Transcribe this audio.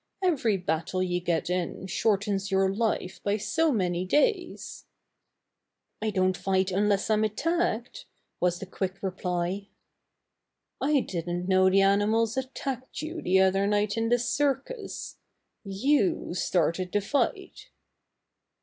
Every battle you get in shortens your life by so many days." "I don't fight unless I'm attacked," was the quick reply. "I didn't know the animals attacked you the other night in the circus. You started the fight."